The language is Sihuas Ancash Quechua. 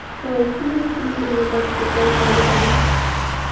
Wawqiimi pinkulluta tukayta yatran.